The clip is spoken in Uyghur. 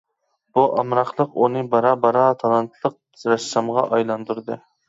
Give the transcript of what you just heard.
بۇ ئامراقلىق ئۇنى بارا-بارا تالانتلىق رەسسامغا ئايلاندۇردى.